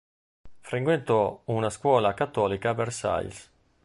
Frequentò una scuola cattolica a Versailles.